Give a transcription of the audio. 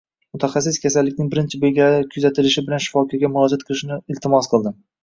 Mutaxassis kasallikning birinchi belgilari kuzatilishi bilan shifokorga murojaat qilishni iltimos qildi